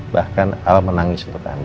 bahkan al menangis untuk andi